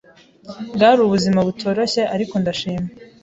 bwari ubuzima butoroshye ariko ndashima